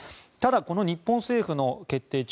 ただ、この日本政府の決定